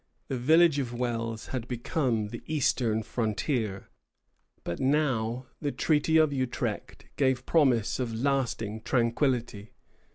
The village of Wells had become the eastern frontier. But now the Treaty of Utrecht gave promise of lasting tranquillity.